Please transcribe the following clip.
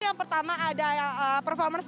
yang pertama ada performance